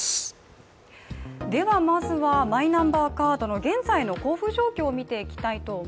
まずはマイナンバーカードの現在の交付状況を見ていきます。